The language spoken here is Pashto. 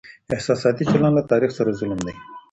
احساساتي چلند له تاريخ سره ظلم دی.